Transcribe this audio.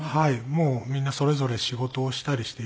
もうみんなそれぞれ仕事をしたりしていますので。